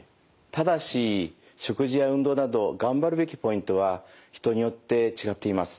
ただし食事や運動など頑張るべきポイントは人によって違っています。